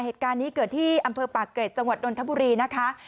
เหตุการณ์นี้เกิดที่อำเภอปากเกร็ดจังหวัดนทบุรีนะคะ